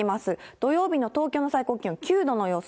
土曜日の東京の最高気温、９度の予想。